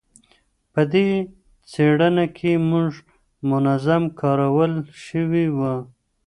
په دې څېړنه کې هوږه منظم کارول شوې وه.